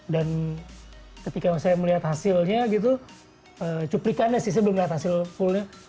dan ketika saya melihat hasilnya gitu cuplikannya sih saya belum lihat hasil fullnya